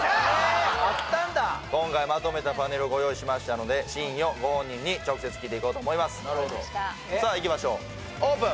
今回まとめたパネルをご用意しましたので真偽をご本人に直接聞いていこうと思いますわかりましたさあいきましょうオープン！